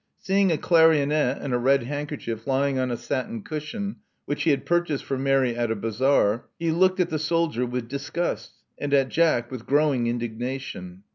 Seeing a clarionet and a red handkerchief Ijdng on a satin cushion which he had purchased for Mary at a bazaar, the looked at the soldier with disgust, and at Jack with growing indignation.